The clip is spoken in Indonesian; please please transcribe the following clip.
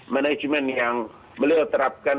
management yang beliau terapkan